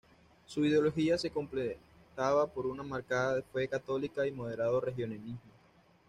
Su ideología se completaba por una marcada fe católica y un moderado regionalismo.